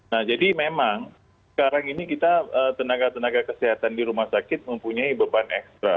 nah jadi memang sekarang ini kita tenaga tenaga kesehatan di rumah sakit mempunyai beban ekstra